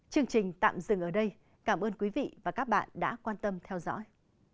chương trình tạm dừng ở đây cảm ơn quý vị và các bạn đã quan tâm theo dõi